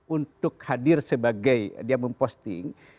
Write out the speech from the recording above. untuk hadir sebagai dia memposting